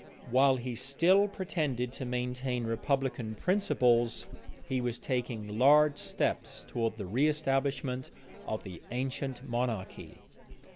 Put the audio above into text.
While he still pretended to maintain republican principles, he was taking large steps towards the reëstablishment of the ancient monarchy.